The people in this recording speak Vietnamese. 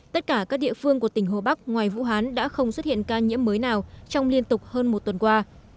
tất cả các địa phương của tỉnh hồ bắc ngoài vũ hán đã không xuất hiện ca nhiễm mới nào trong liên tục hơn một tuần qua